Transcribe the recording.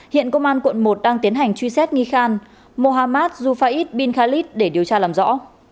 hiện công an quận một đang tiến hành truy xét nghi khăn mohamad zufaiz bin khalid để điều tra làm rõ